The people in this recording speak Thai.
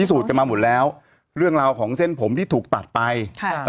สูจนกันมาหมดแล้วเรื่องราวของเส้นผมที่ถูกตัดไปค่ะ